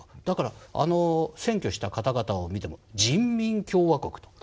だから占拠した方々を見ても「人民共和国」と。